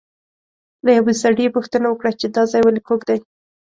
له یوه سړي یې پوښتنه وکړه چې دا ځای ولې کوږ دی.